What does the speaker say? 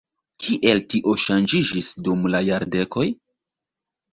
Kiel tio ŝanĝiĝis dum la jardekoj?